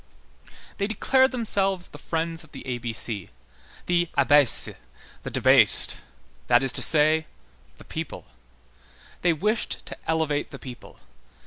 They declared themselves the Friends of the A B C,—the Abaissé,—the debased,—that is to say, the people. They wished to elevate the people.